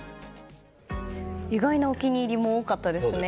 意外なお気に入りも多かったですね。